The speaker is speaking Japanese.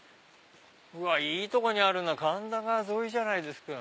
いいとこにあるなぁ神田川沿いじゃないですか。